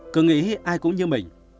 cứ nghĩ ai cũng như mình